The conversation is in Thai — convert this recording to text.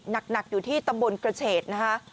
หนักอยู่ที่ตำบลกระเฉดนะคะ